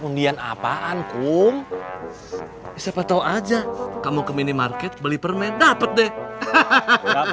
undian apaan kum siapa tahu aja kamu ke minimarket beli permen dapat deh hahaha